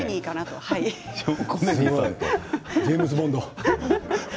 ジェームズ・ボンド。